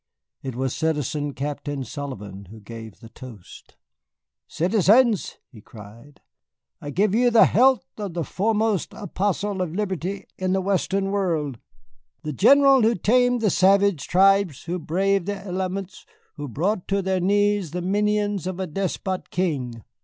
It was Citizen Captain Sullivan who gave the toast. "Citizens," he cried, "I give you the health of the foremost apostle of Liberty in the Western world, the General who tamed the savage tribes, who braved the elements, who brought to their knees the minions of a despot king."